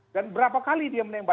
dan berapa kali dia menembak